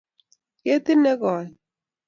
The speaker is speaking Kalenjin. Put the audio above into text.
Ketit negoi.